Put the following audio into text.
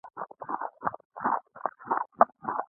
مجاهد د خپل خدای شکر ادا کوي.